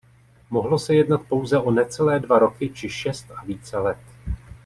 Mohlo se jednat pouze o necelé dva roky či šest a více let.